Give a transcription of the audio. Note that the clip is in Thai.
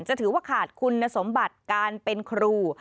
ถือว่าขาดคุณสมบัติการเป็นครู